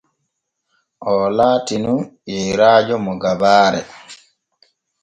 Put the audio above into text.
Oo laati nun yeyrajo mo gabaare.